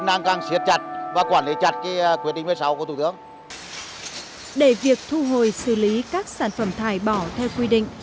để việc thu hồi xử lý các sản phẩm thải bỏ theo quy định